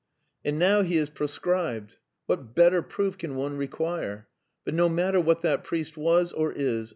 And now he is proscribed. What better proof can one require. But no matter what that priest was or is.